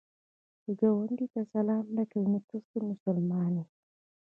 که ګاونډي ته سلام نه کوې، نو ته څه مسلمان یې؟